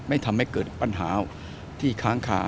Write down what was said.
ทำให้เกิดปัญหาที่ค้างคา